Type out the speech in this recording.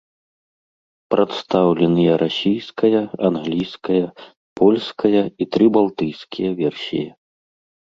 Прадстаўленыя расійская, англійская, польская і тры балтыйскія версіі.